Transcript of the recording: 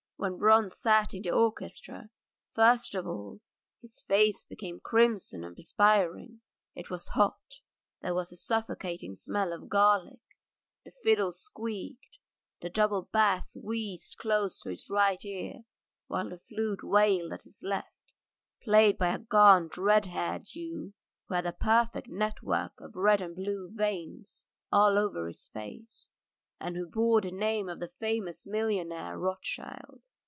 When Bronze sat in the orchestra first of all his face became crimson and perspiring; it was hot, there was a suffocating smell of garlic, the fiddle squeaked, the double bass wheezed close to his right ear, while the flute wailed at his left, played by a gaunt, red haired Jew who had a perfect network of red and blue veins all over his face, and who bore the name of the famous millionaire Rothschild.